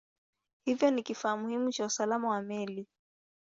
Hivyo ni kifaa muhimu cha usalama wa meli.